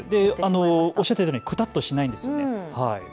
おっしゃっていたようにくたっとしないんですよね。